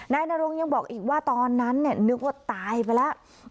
นายนรงยังบอกอีกว่าตอนนั้นนึกว่าตายไปแล้ว